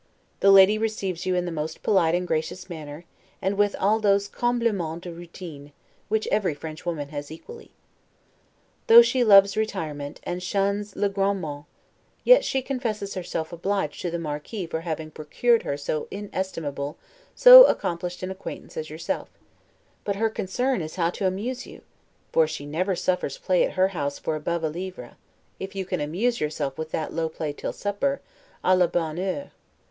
The lady receives you in the most polite and gracious manner, and with all those 'complimens de routine' which every French woman has equally. Though she loves retirement, and shuns 'le grande monde', yet she confesses herself obliged to the Marquis for having procured her so inestimable, so accomplished an acquaintance as yourself; but her concern is how to amuse you: for she never suffers play at her house for above a livre; if you can amuse yourself with that low play till supper, 'a la bonne heure'.